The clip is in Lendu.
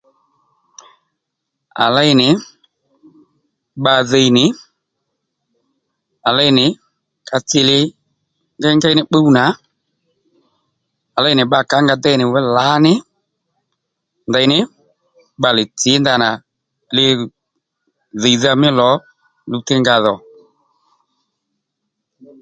À léy nì bba dhiy nì à léy nì ka tsi li ngengéy nì pbúw nà à léy nì bba kà ó nga déy nì wá lǎní ndeyní bbalè tsǐ ndanà li dhìydha mí lò luwtey nga dhò